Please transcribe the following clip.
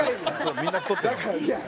みんな太ってる。